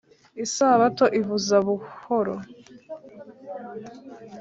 isabato ivuza buhoro